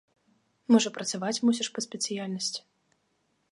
Можа, працаваць мусіш па спецыяльнасці?